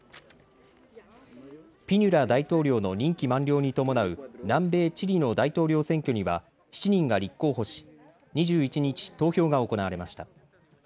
ピニェラ大統領の任期満了に伴う南米チリの大統領選挙には７人が立候補し２１日、投票が行われました。